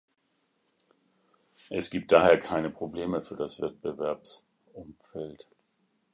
Es gibt daher keine Probleme für das Wettbewerbsumfeld.